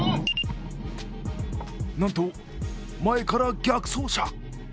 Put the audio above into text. なんと、前から逆走車。